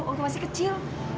waktu masih kecil